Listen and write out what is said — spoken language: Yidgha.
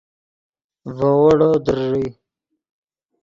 ڤے ویڑو در ݱئے